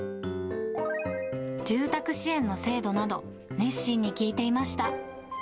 住宅支援の制度など、熱心に聞いていました。